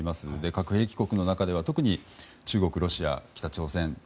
核兵器国の中では特に中国、ロシア、北朝鮮。